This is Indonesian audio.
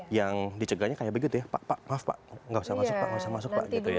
yang dicegahnya kayak begitu ya pak maaf pak gak usah masuk pak gak usah masuk pak gitu ya